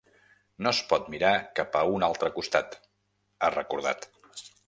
No es pot mirar cap a un altre costat , ha recordat.